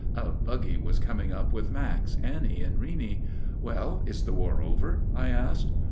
A buggy was coming up with Max, Annie, and Reeney. "Well, is the war over?" I asked.